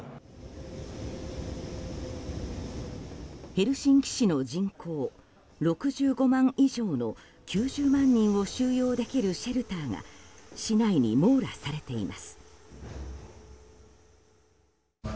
ヘルシンキ市の人口６５万以上の９０万人を収容できるシェルターが市内に網羅されています。